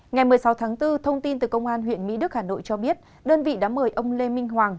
ngày một mươi sáu tháng bốn thông tin từ công an huyện mỹ đức hà nội cho biết đơn vị đã mời ông lê minh hoàng